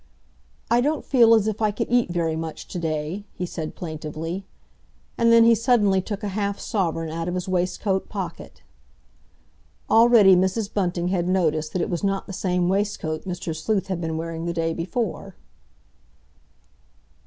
"I don't feel as if I could eat very much to day," he said plaintively. And then he suddenly took a half sovereign out of his waistcoat pocket. Already Mrs. Bunting had noticed that it was not the same waistcoat Mr. Sleuth had been wearing the day before.